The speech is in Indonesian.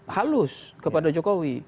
halus kepada jokowi